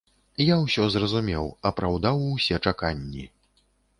Я ўсё зразумеў, апраўдаў усе чаканні.